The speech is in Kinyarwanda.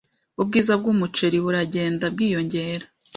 Ubwiza bwumuceri buragenda bwiyongera.